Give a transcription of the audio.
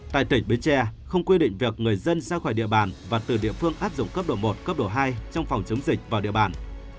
tại tỉnh bến tre không quy định việc người dân ra khỏi địa bàn và từ địa phương áp dụng cấp độ một cấp độ hai trong phòng chống dịch vào địa bàn